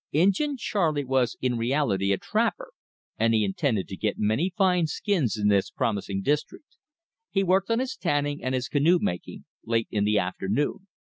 Injin Charley was in reality a trapper, and he intended to get many fine skins in this promising district. He worked on his tanning and his canoe making late in the afternoon.